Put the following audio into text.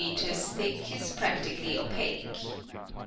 thick is practically opaque.